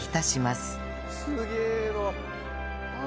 すげえよ！